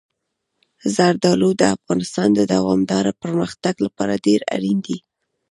زردالو د افغانستان د دوامداره پرمختګ لپاره ډېر اړین دي.